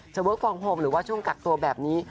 เวิร์คฟองโฮมหรือว่าช่วงกักตัวแบบนี้